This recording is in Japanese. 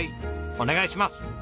お願いします！